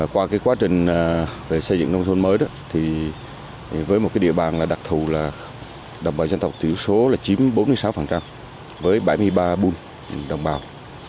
qua quá trình xây dựng nông thuần mới với một địa bàn đặc thù đồng bào dân tộc tiểu số chín trăm bốn mươi sáu với bảy mươi ba bùn đồng bào